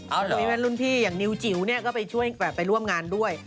เอาโดยมีเพื่อนรุ่นพี่อย่างนิวจิ๋วเนี่ยก็ไปช่วยแบบไปร่วมงานด้วย